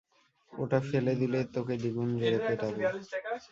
ওটা ফেলে দিলে, তোকে দ্বিগুণ জোরে পেটাবো।